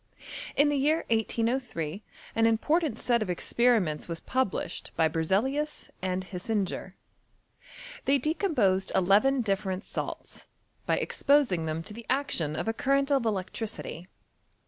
In the year 1803 an important set of experi ments was published by Berzeliua and Hisinger. They decomposed eleven different salts, by exposing them to the action of a current of electricity.